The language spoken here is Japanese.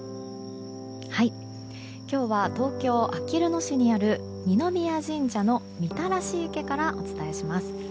今日は東京・あきる野市にある二宮神社の御手洗池からお伝えします。